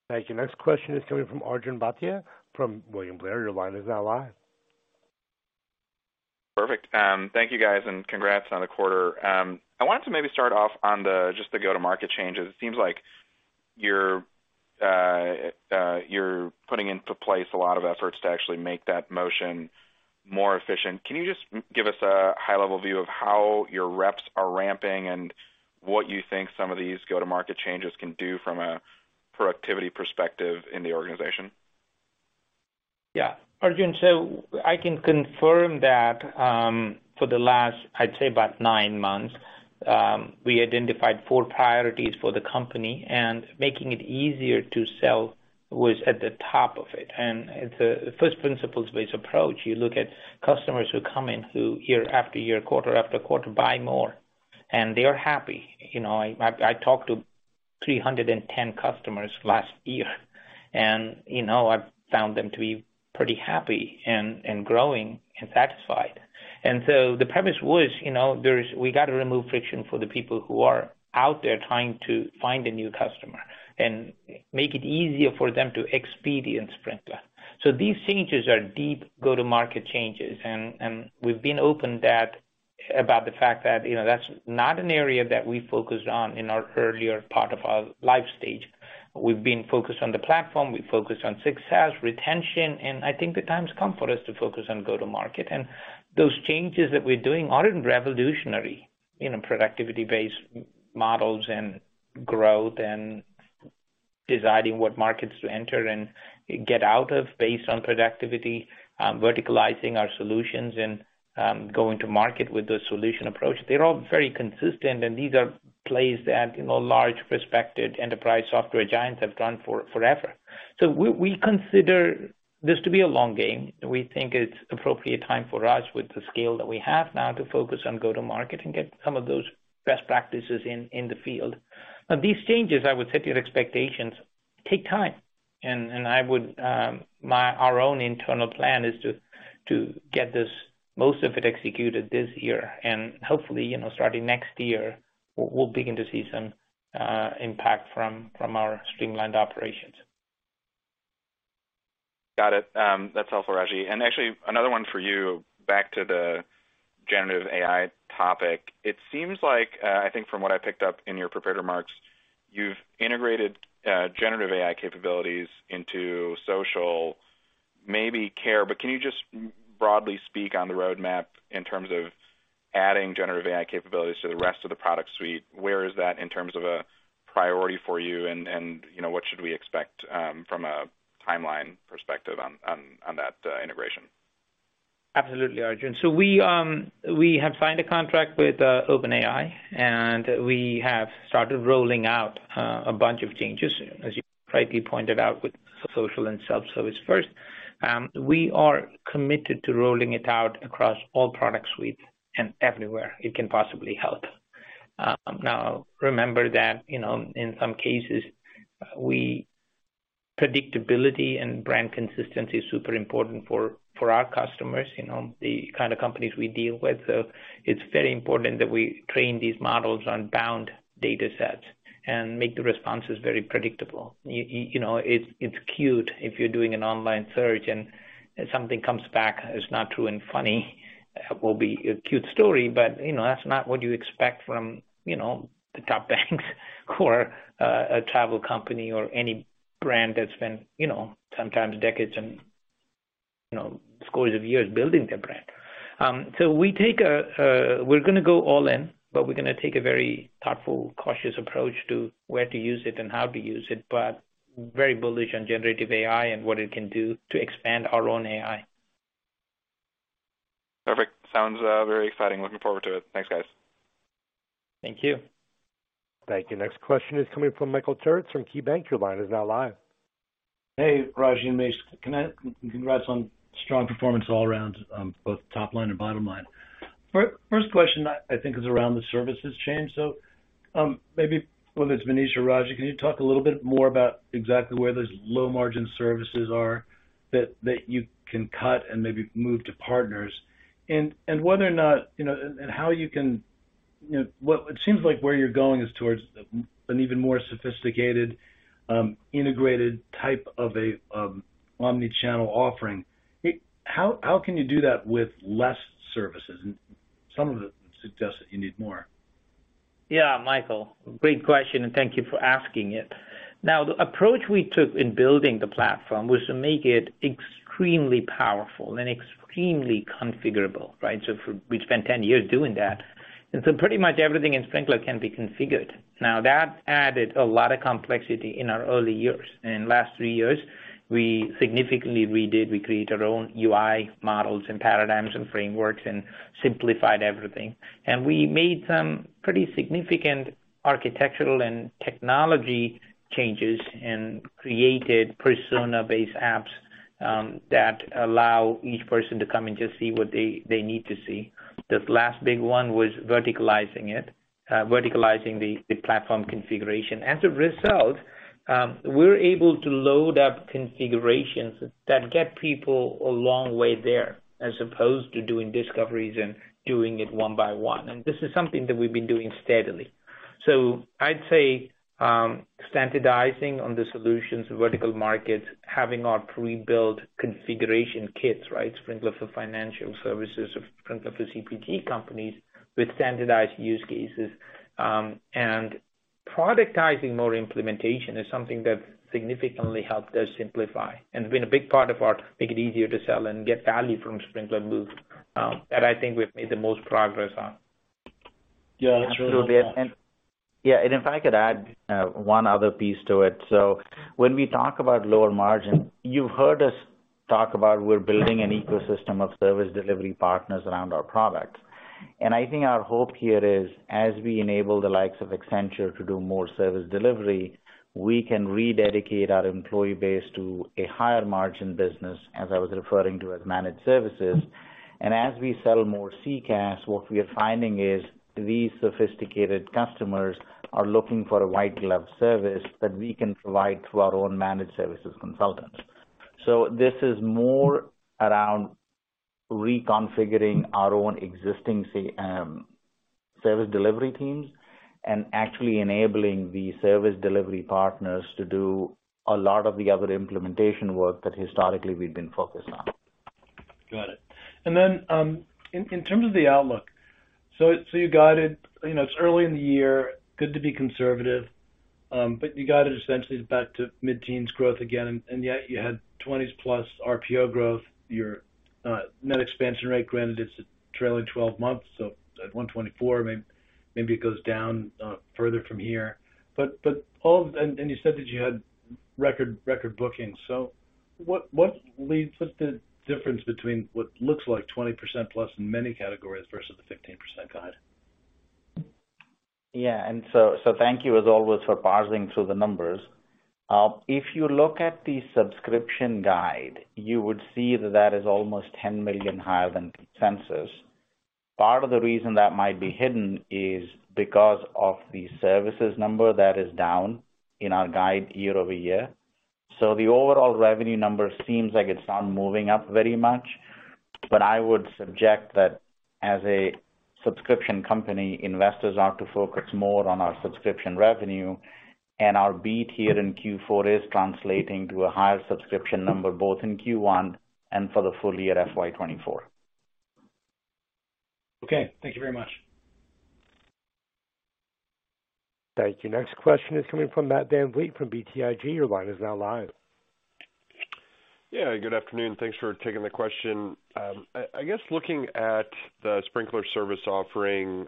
Thank you. Next question is coming from Arjun Bhatia from William Blair. Your line is now live. Perfect. Thank you, guys, and congrats on the quarter. I wanted to maybe start off on just the go-to-market changes. It seems like you're putting into place a lot of efforts to actually make that motion more efficient. Can you just give us a high-level view of how your reps are ramping and what you think some of these go-to-market changes can do from a productivity perspective in the organization? Yeah. Arjun, I can confirm that, for the last, I'd say about nine months, we identified four priorities for the company, and making it easier to sell was at the top of it. It's a first-principles-based approach. You look at customers who come in, who year after year, quarter after quarter, buy more, and they are happy. You know, I talked to 310 customers last year, and, you know, I found them to be pretty happy and growing and satisfied. The premise was, you know, we got to remove friction for the people who are out there trying to find a new customer and make it easier for them to experience Sprinklr. These changes are deep go-to-market changes, and we've been open about the fact that, you know, that's not an area that we focused on in our earlier part of our life stage. We've been focused on the platform. We've focused on success, retention, and I think the time's come for us to focus on go-to-market. Those changes that we're doing aren't revolutionary. You know, productivity-based models and growth and deciding what markets to enter and get out of based on productivity, verticalizing our solutions and going to market with the solution approach. They're all very consistent, and these are plays that, you know, large prospective enterprise software giants have done forever. We consider this to be a long game. We think it's appropriate time for us with the scale that we have now to focus on go-to-market and get some of those best practices in the field. Now, these changes, I would set your expectations, take time. Our own internal plan is to get this, most of it executed this year and hopefully, you know, starting next year, we'll begin to see some impact from our streamlined operations. Got it. That's helpful, Ragy. Actually, another one for you back to the generative AI topic. It seems like, I think from what I picked up in your prepared remarks, you've integrated generative AI capabilities into social, maybe care, but can you just broadly speak on the roadmap in terms of adding generative AI capabilities to the rest of the product suite? Where is that in terms of a priority for you? You know, what should we expect from a timeline perspective on that integration? Absolutely, Arjun. We have signed a contract with OpenAI, and we have started rolling out a bunch of changes, as you rightly pointed out, with social and self-service first. We are committed to rolling it out across all product suites and everywhere it can possibly help. Now remember that, you know, in some cases, predictability and brand consistency is super important for our customers, you know, the kind of companies we deal with. It's very important that we train these models on bound datasets and make the responses very predictable. You know, it's cute if you're doing an online search and something comes back that's not true and funny, will be a cute story, but, you know, that's not what you expect from, you know, the top banks or a travel company or any brand that's been, you know, sometimes decades and, you know, scores of years building their brand. We're gonna go all in, but we're gonna take a very thoughtful, cautious approach to where to use it and how to use it, but very bullish on generative AI and what it can do to expand our own AI. Perfect. Sounds very exciting. Looking forward to it. Thanks, guys. Thank you. Thank you. Next question is coming from Michael Turits from KeyBanc. Your line is now live. Hey, Ragy and Manish. Congrats on strong performance all around, both top line and bottom line. First question I think is around the services change. Maybe, whether it's Manish or Ragy, can you talk a little bit more about exactly where those low margin services are that you can cut and maybe move to partners? Whether or not, you know, and how you can, you know, it seems like where you're going is towards an even more sophisticated, integrated type of a omnichannel offering. How can you do that with less services? Some of it suggests that you need more. Michael, great question, and thank you for asking it. The approach we took in building the platform was to make it extremely powerful and extremely configurable, right? We spent 10 years doing that. Pretty much everything in Sprinklr can be configured. That added a lot of complexity in our early years. In last three years, we significantly redid, we created our own UI models and paradigms and frameworks and simplified everything. We made some pretty significant architectural and technology changes and created persona-based apps that allow each person to come and just see what they need to see. The last big one was verticalizing it, verticalizing the platform configuration. As a result, we're able to load up configurations that get people a long way there as opposed to doing discoveries and doing it one by one. This is something that we've been doing steadily. I'd say, standardizing on the solutions, vertical markets, having our pre-built configuration kits, right? Sprinklr for financial services or Sprinklr for CPG companies with standardized use cases. Productizing more implementation is something that significantly helped us simplify. It's been a big part of our make it easier to sell and get value from Sprinklr move, that I think we've made the most progress on. Yeah. That's really helpful. Yeah. If I could add one other piece to it. When we talk about lower margin, you've heard us talk about we're building an ecosystem of service delivery partners around our products. I think our hope here is, as we enable the likes of Accenture to do more service delivery, we can rededicate our employee base to a higher margin business, as I was referring to as managed services. As we sell more CCaaS, what we are finding is these sophisticated customers are looking for a white-glove service that we can provide through our own managed services consultants. This is more around reconfiguring our own existing CM service delivery teams and actually enabling the service delivery partners to do a lot of the other implementation work that historically we've been focused on. Got it. In terms of the outlook. You guided, you know, it's early in the year, good to be conservative. But you got it essentially back to mid-teens growth again, and yet you had 20% plus RPO growth, your net expansion rate, granted it's a trailing 12 months, so at 124, maybe it goes down further from here. But all of, you said that you had record bookings. What's the difference between what looks like 20% plus in many categories versus the 15% guide? Yeah. So thank you as always for parsing through the numbers. If you look at the subscription guide, you would see that that is almost $10 million higher than consensus. Part of the reason that might be hidden is because of the services number that is down in our guide year-over-year. The overall revenue number seems like it's not moving up very much, but I would subject that as a subscription company, investors ought to focus more on our subscription revenue and our beat here in Q4 is translating to a higher subscription number, both in Q1 and for the full year FY 2024. Okay. Thank you very much. Thank you. Next question is coming from Matt VanVliet from BTIG. Your line is now live. Yeah, good afternoon. Thanks for taking the question. I guess looking at the Sprinklr Service offering,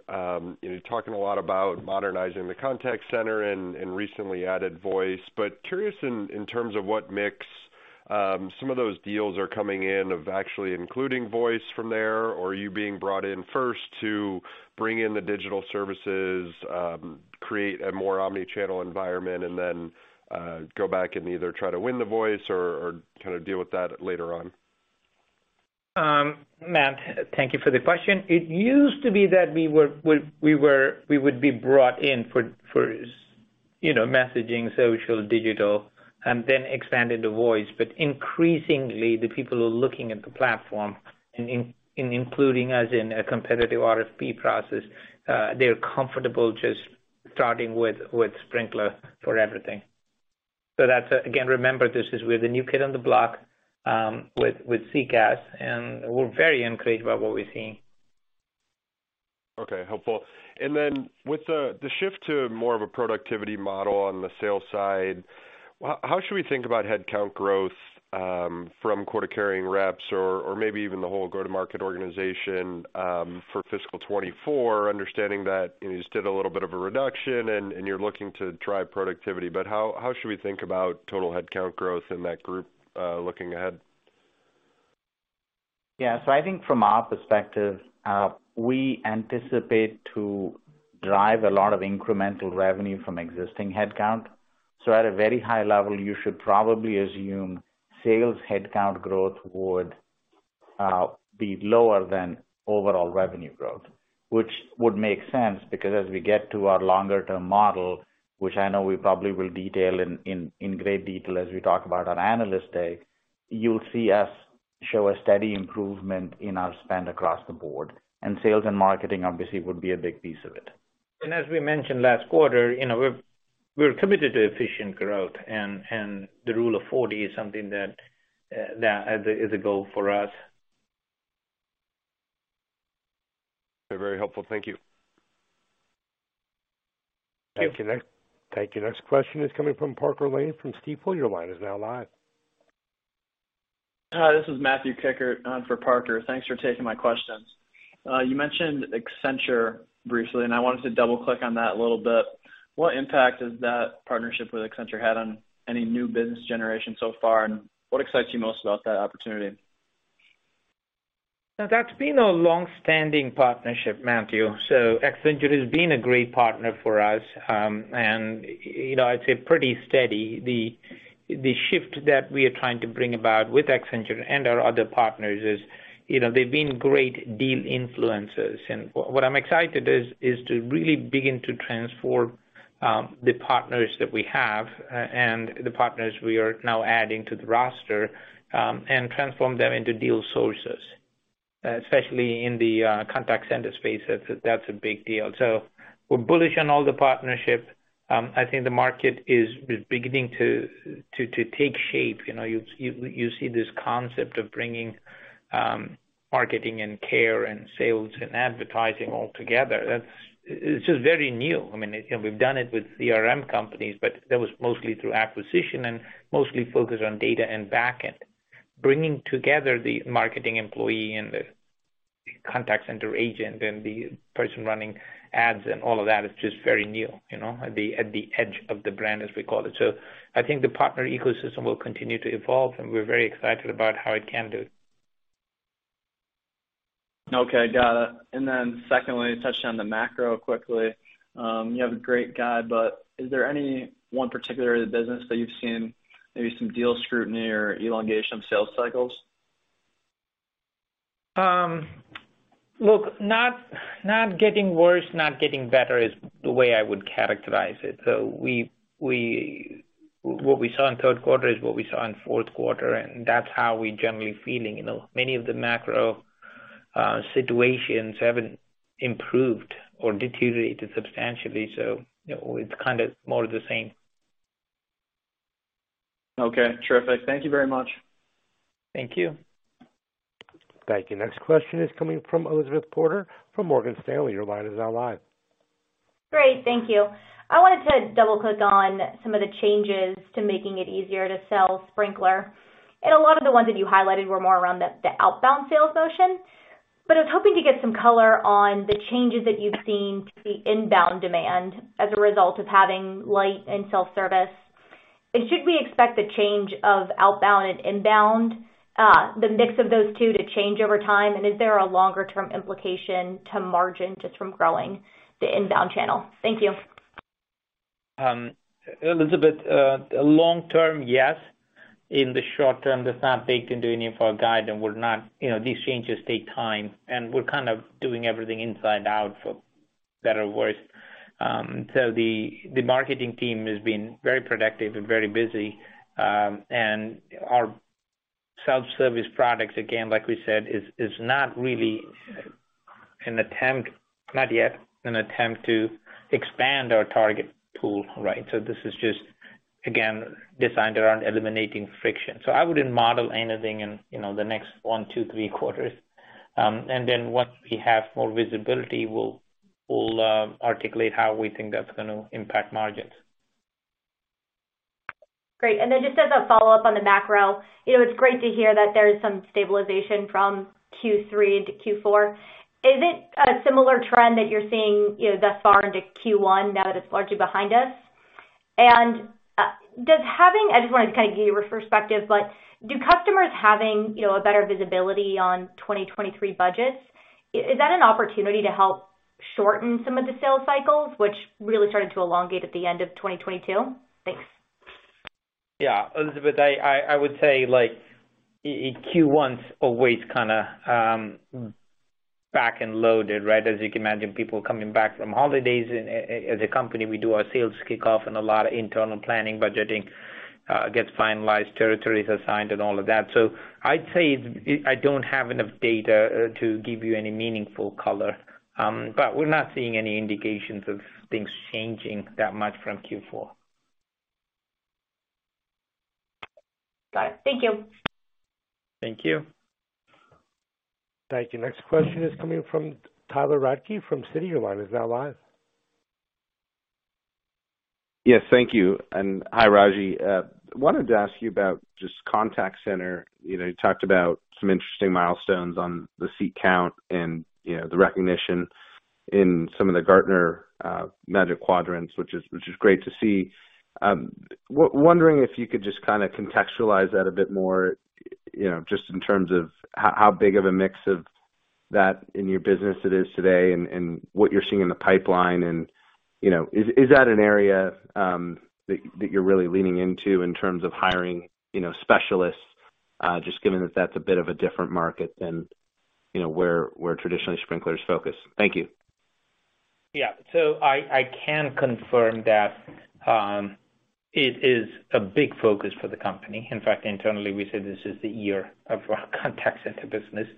you know, talking a lot about modernizing the contact center and recently added voice, but curious in terms of what mix some of those deals are coming in of actually including voice from there, or are you being brought in first to bring in the digital services, create a more omnichannel environment, and then, go back and either try to win the voice or kind of deal with that later on? Matt, thank you for the question. It used to be that we would be brought in for, you know, messaging, social, digital, and then expanded to voice. Increasingly, the people are looking at the platform and including us in a competitive RFP process, they're comfortable just starting with Sprinklr for everything. That's, again, remember this is we're the new kid on the block, with CCaaS, and we're very encouraged by what we're seeing. Okay. Helpful. With the shift to more of a productivity model on the sales side, how should we think about headcount growth from quota-carrying reps or maybe even the whole go-to-market organization for fiscal 24, understanding that you just did a little bit of a reduction and you're looking to drive productivity, but how should we think about total headcount growth in that group looking ahead? I think from our perspective, we anticipate to drive a lot of incremental revenue from existing headcount. At a very high level, you should probably assume sales headcount growth would be lower than overall revenue growth, which would make sense because as we get to our longer term model, which I know we probably will detail in great detail as we talk about on Analyst Day, you'll see us show a steady improvement in our spend across the board. Sales and marketing obviously would be a big piece of it. As we mentioned last quarter, you know, we're committed to efficient growth and the Rule of 40 is something that as a goal for us. Very helpful. Thank you. Thank you. Thank you. Next question is coming from Parker Lane from Stifel. Your line is now live. Hi, this is Matthew Kikkert, for Parker. Thanks for taking my questions. You mentioned Accenture briefly, and I wanted to double-click on that a little bit. What impact has that partnership with Accenture had on any new business generation so far, and what excites you most about that opportunity? Now, that's been a long-standing partnership, Matthew. Accenture has been a great partner for us, and you know, I'd say pretty steady. The shift that we are trying to bring about with Accenture and our other partners is, you know, they've been great deal influencers. What I'm excited is to really begin to transform the partners that we have, and the partners we are now adding to the roster, and transform them into deal sources, especially in the contact center space. That's a big deal. We're bullish on all the partnerships. I think the market is beginning to take shape. You know, you see this concept of bringing marketing and care and sales and advertising all together. That's. It's just very new. I mean, you know, we've done it with CRM companies, but that was mostly through acquisition and mostly focused on data and back-end. Bringing together the marketing employee and the contact center agent and the person running ads and all of that is just very new, you know, at the edge of the brand, as we call it. I think the partner ecosystem will continue to evolve, and we're very excited about how it can do. Okay. Got it. Secondly, touching on the macro quickly. You have a great guide, but is there any one particular business that you've seen maybe some deal scrutiny or elongation of sales cycles? Look, not getting worse, not getting better is the way I would characterize it. We, what we saw in third quarter is what we saw in fourth quarter, and that's how we're generally feeling. You know, many of the macro situations haven't improved or deteriorated substantially, so you know, it's kind of more the same. Okay, terrific. Thank you very much. Thank you. Thank you. Next question is coming from Elizabeth Porter from Morgan Stanley. Your line is now live. Great. Thank you. I wanted to double-click on some of the changes to making it easier to sell Sprinklr. A lot of the ones that you highlighted were more around the outbound sales motion. I was hoping to get some color on the changes that you've seen to the inbound demand as a result of having light and self-service. Should we expect the change of outbound and inbound, the mix of those two to change over time? Is there a longer-term implication to margin just from growing the inbound channel? Thank you. Elizabeth, long-term, yes. In the short term, that's not baked into any of our guide, and we're not. You know, these changes take time, and we're kind of doing everything inside out, for better or worse. The marketing team has been very productive and very busy. Our self-service products, again, like we said, is not really an attempt, not yet an attempt to expand our target pool, right? This is just, again, designed around eliminating friction. I wouldn't model anything in, you know, the next one-three quarters. Once we have more visibility, we'll articulate how we think that's gonna impact margins. Great. Then just as a follow-up on the macro, you know, it's great to hear that there is some stabilization from Q3 to Q4. Is it a similar trend that you're seeing, you know, thus far into Q1 now that it's largely behind us? I just wanted to kind of give you a perspective, but do customers having, you know, a better visibility on 2023 budgets, is that an opportunity to help shorten some of the sales cycles, which really started to elongate at the end of 2022? Thanks. Yeah. Elizabeth, I would say, like, Q1's always kind of, back-end loaded, right? As you can imagine, people coming back from holidays. As a company, we do our sales kickoff and a lot of internal planning, budgeting, gets finalized, territories assigned and all of that. I'd say it's. I don't have enough data, to give you any meaningful color. We're not seeing any indications of things changing that much from Q4. Got it. Thank you. Thank you. Thank you. Next question is coming from Tyler Radke from Citi. Your line is now live. Yes, thank you. Hi, Ragy. wanted to ask you about just contact center. You know, you talked about some interesting milestones on the seat count and, you know, the recognition in some of the Gartner Magic Quadrant, which is great to see. wondering if you could just kind of contextualize that a bit more, you know, just in terms of how big of a mix of that in your business it is today and, what you're seeing in the pipeline and, you know. Is that an area that you're really leaning into in terms of hiring, you know, specialists, just given that that's a bit of a different market than, you know, where traditionally Sprinklr's focused? Thank you. I can confirm that, it is a big focus for the company. In fact, internally, we say this is the year of our contact center business.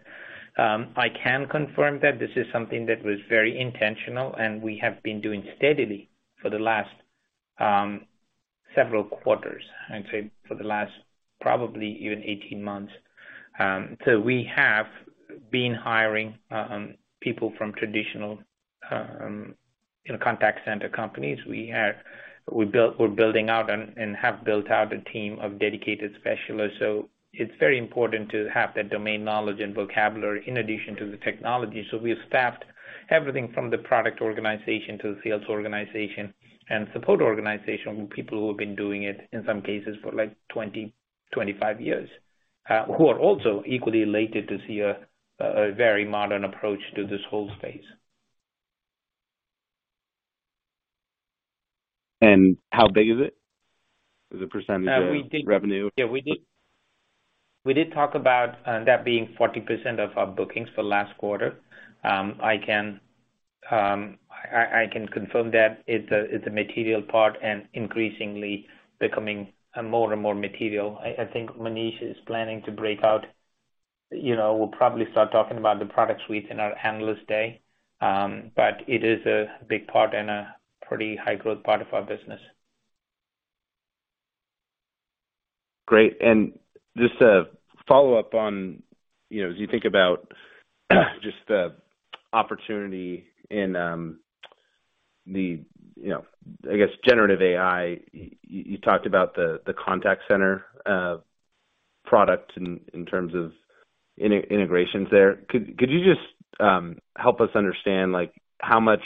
I can confirm that this is something that was very intentional, and we have been doing steadily for the last, several quarters, I'd say for the last probably even 18 months. We have been hiring, people from traditional, you know, contact center companies. We're building out and have built out a team of dedicated specialists. It's very important to have that domain knowledge and vocabulary in addition to the technology. We have staffed everything from the product organization to the sales organization and support organization with people who have been doing it, in some cases, for like 20, 25 years, who are also equally elated to see a very modern approach to this whole space. How big is it as a percentage of revenue? Yeah, we did talk about that being 40% of our bookings for last quarter. I can confirm that it's a material part and increasingly becoming more and more material. I think Manish is planning to break out. You know, we'll probably start talking about the product suites in our analyst day. It is a big part and a pretty high-growth part of our business. Great. Just to follow up on, you know, as you think about just the opportunity in, you know, I guess generative AI, you talked about the contact center product in terms of integrations there. Could you just help us understand, like how much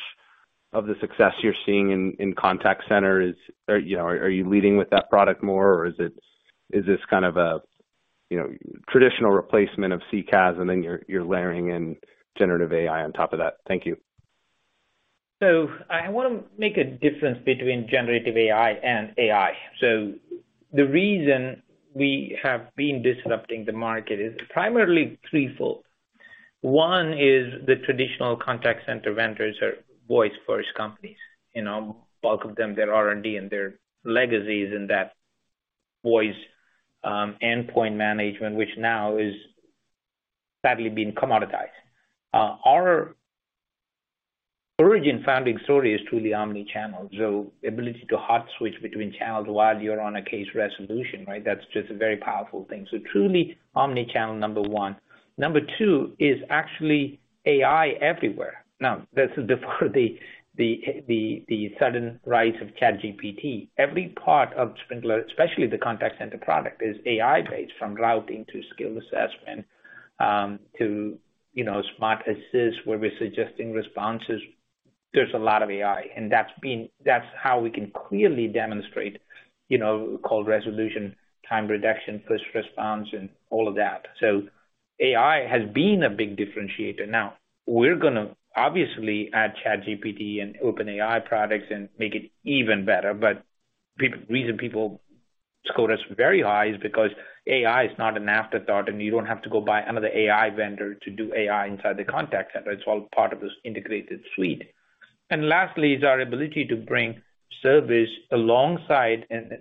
of the success you're seeing in contact center? Or, you know, are you leading with that product more, or is this kind of a, you know, traditional replacement of CCaaS and then you're layering in generative AI on top of that? Thank you. I wanna make a difference between generative AI and AI. The reason we have been disrupting the market is primarily threefold. One is the traditional contact center vendors are voice first companies. You know, bulk of them, their R&D and their legacy is in that voice endpoint management, which now is sadly been commoditized. Our origin founding story is truly omnichannel. Ability to hot-switch between channels while you're on a case resolution, right? That's just a very powerful thing. Truly omnichannel, number one. Number two is actually AI everywhere. This is before the sudden rise of ChatGPT. Every part of Sprinklr, especially the contact center product, is AI-based, from routing to skill assessment, to, you know, smart assist, where we're suggesting responses. There's a lot of AI, and that's been that's how we can clearly demonstrate, you know, call resolution, time reduction, first response, and all of that. AI has been a big differentiator. We're gonna obviously add ChatGPT and OpenAI products and make it even better. Reason people score us very high is because AI is not an afterthought, and you don't have to go buy another AI vendor to do AI inside the contact center. It's all part of this integrated suite. Lastly is our ability to bring service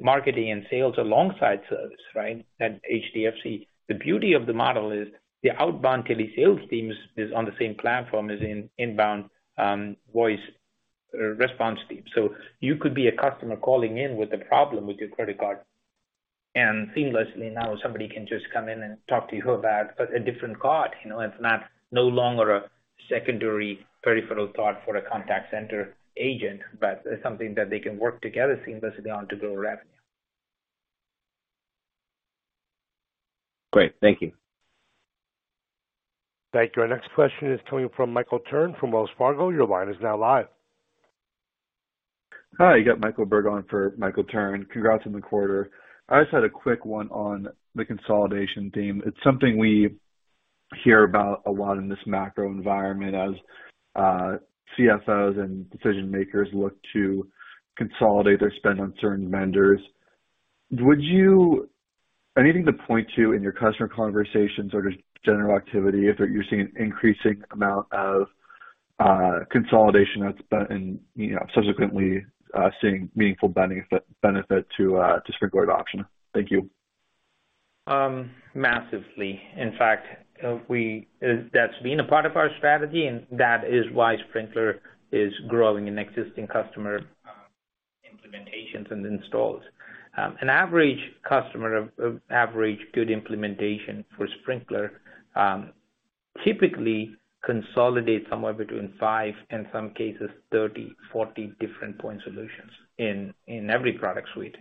marketing and sales alongside service, right? At HDFC, the beauty of the model is the outbound tele-sales team is on the same platform as in inbound voice response team. You could be a customer calling in with a problem with your credit card, and seamlessly now somebody can just come in and talk to you about a different card. You know, it's not no longer a secondary peripheral thought for a contact center agent, but something that they can work together seamlessly on to grow revenue. Great. Thank you. Thank you. Our next question is coming from Michael Turrin from Wells Fargo. Your line is now live. Hi, you got Michael Berg on for Michael Turrin. Congrats on the quarter. I just had a quick one on the consolidation theme. It's something we hear about a lot in this macro environment as CFOs and decision-makers look to consolidate their spend on certain vendors. Anything to point to in your customer conversations or just general activity if you're seeing an increasing amount of consolidation that's been, you know, subsequently seeing meaningful benefit to Sprinklr adoption? Thank you. Massively. In fact, that's been a part of our strategy, and that is why Sprinklr is growing in existing customer implementations and installs. An average customer of average good implementation for Sprinklr typically consolidate somewhere between five, in some cases, 30, 40 different point solutions in every product suite.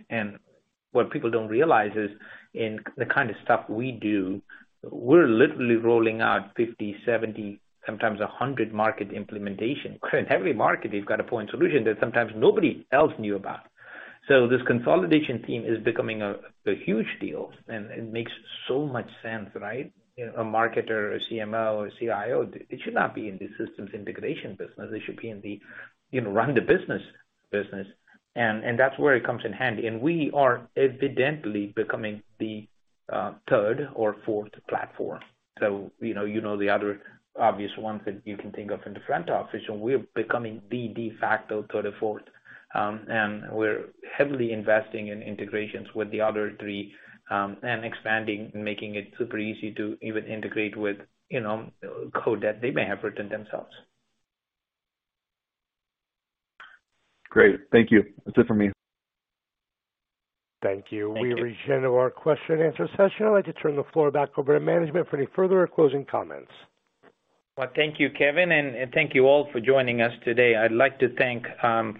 What people don't realize is in the kind of stuff we do, we're literally rolling out 50, 70, sometimes a 100-market implementation. In every market, you've got a point solution that sometimes nobody else knew about. This consolidation theme is becoming a huge deal and it makes so much sense, right? A marketer, a CMO, a CIO, it should not be in the systems integration business. They should be in the, you know, run-the-business business. That's where it comes in handy. We are evidently becoming the third or fourth platform. You know, you know the other obvious ones that you can think of in the front office, and we're becoming the de facto third or fourth. We're heavily investing in integrations with the other three, and expanding and making it super easy to even integrate with, you know, code that they may have written themselves. Great. Thank you. That's it for me. Thank you. Thank you. We've reached the end of our question and answer session. I'd like to turn the floor back over to management for any further closing comments. Well, thank you, Kevin, and thank you all for joining us today. I'd like to thank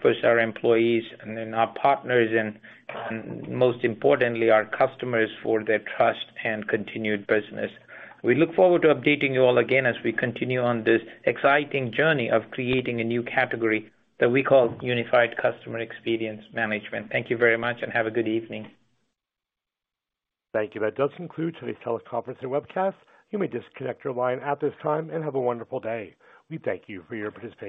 first our employees and then our partners and most importantly, our customers for their trust and continued business. We look forward to updating you all again as we continue on this exciting journey of creating a new category that we call unified customer experience management. Thank you very much and have a good evening. Thank you. That does conclude today's teleconference and webcast. You may disconnect your line at this time and have a wonderful day. We thank you for your participation.